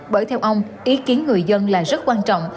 bởi theo ông ý kiến người dân là rất quan trọng